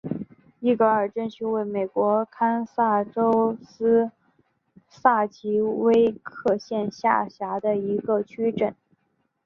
伊格尔镇区为美国堪萨斯州塞奇威克县辖下的镇区。